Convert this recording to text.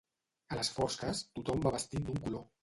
A les fosques, tothom va vestit d'un color.